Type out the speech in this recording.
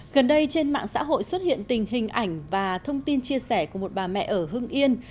gần đây trên mạng xã hội xuất hiện tình hình ảnh và thông tin chia sẻ của một bà mẹ ở hưng yên